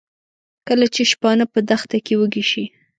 کله چې شپانه په دښته کې وږي شي.